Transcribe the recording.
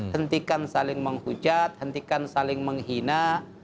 hentikan saling menghujat hentikan saling menghina